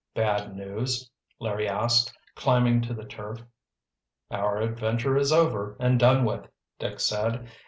"Bad news?" Larry asked, climbing to the turf. "Our adventure is over and done with," Dick said.